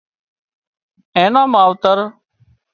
اين نان ماوتر